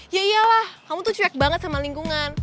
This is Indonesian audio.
ya iyalah kamu tuh cek banget sama lingkungan